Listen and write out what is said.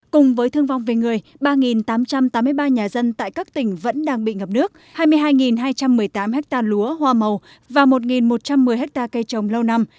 cùng với thương vong về người ba tám trăm tám mươi ba nhà dân tại các tỉnh vẫn đang bị ngập nước hai mươi hai hai trăm một mươi tám ha lúa hoa màu và một một trăm một mươi hectare cây trồng lâu năm